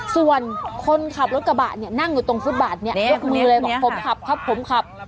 ส่วนคนขับรถกระบะนั่งอยู่ตรงชุดบาดนี่ลกมือแนะบอกผมขับครับผมขับ